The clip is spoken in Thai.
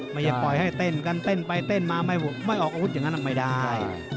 อย่าปล่อยให้เต้นกันเต้นไปเต้นมาไม่ออกอาวุธอย่างนั้นไม่ได้